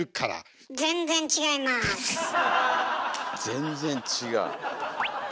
全然違う。